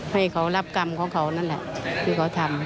ให้เค้ารับกรรมของเค้านั่นน่ะที่เค้าทำ